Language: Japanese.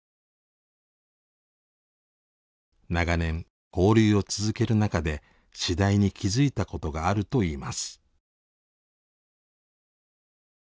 長年交流を続ける中で次第に気付いたことがあるといいます。